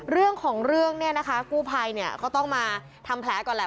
เรื่องของเรื่องเนี่ยนะคะกู้ภัยเนี่ยก็ต้องมาทำแผลก่อนแหละ